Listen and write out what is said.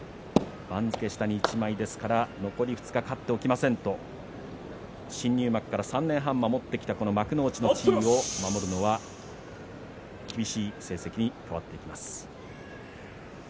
番付下に一枚ですから残り２日勝っておきませんとと新入幕から３年半守ってきた幕内の地位を守るのは厳しい成績に変わっていきます。